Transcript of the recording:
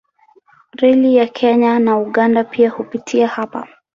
Reli ya Kenya na Uganda pia hupitia hapa.